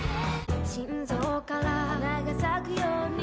「心臓から花が咲くように」